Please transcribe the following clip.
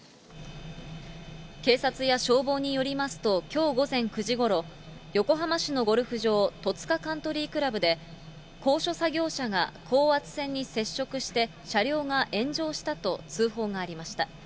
警察や消防によりますと、きょう午前９時ごろ、横浜市のゴルフ場、戸塚カントリー倶楽部で、高所作業車が高圧線に接触して、車両が炎上したと通報がありました。